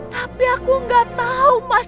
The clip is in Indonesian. tapi aku gak tahu mas